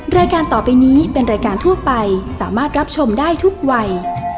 รายการต่อไปนี้เป็นรายการทั่วไปสามารถรับชมได้ทุกวัย